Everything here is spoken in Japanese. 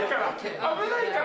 危ないから！